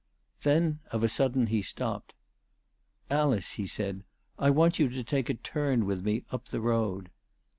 Then of a sudden he stopped. "Alice," he said, "I want you to take a turn with me up the road."